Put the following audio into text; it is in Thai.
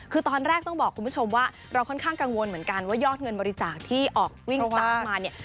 คือตอนแรกต้องบอกคุณผู้ชมว่าเราค่อนข้างกังวลเหมือนกันว่ายอดเงินบริจาคที่ออกวิ่งตามมาเนี่ย